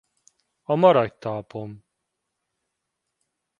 A Maradj talpon!